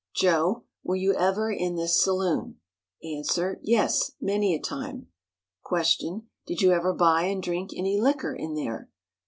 Joe, were you ever in this saloon? "A. Yes, many a time. "Q. Did you ever buy and drink any liquor in there?